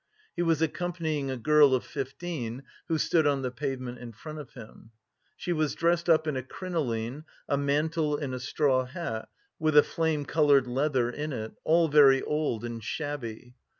He was accompanying a girl of fifteen, who stood on the pavement in front of him. She was dressed up in a crinoline, a mantle and a straw hat with a flame coloured feather in it, all very old and shabby.